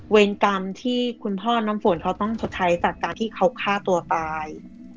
เวรกรรมที่คุณพ่อน้ำฝนเขาต้องชดใช้จากการที่เขาฆ่าตัวตาย